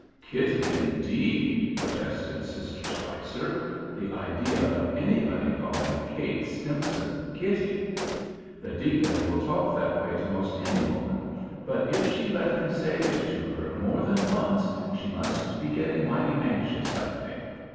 "'Kitty,' indeed!" protested Sister Spicer. "The idea of anybody calling Kate Stimson 'Kitty'! The deacon will talk that way to 'most any woman, but if she let him say it to her more than once, she must be getting mighty anxious, I think."